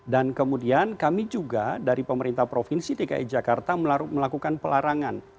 dan kemudian kami juga dari pemerintah provinsi tki jakarta melakukan pelarangan